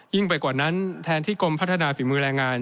ไปกว่านั้นแทนที่กรมพัฒนาฝีมือแรงงาน